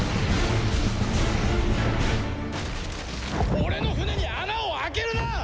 俺の船に穴を開けるな！